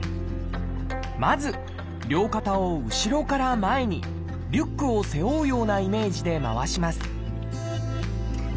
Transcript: まず両肩を後ろから前にリュックを背負うようなイメージで回します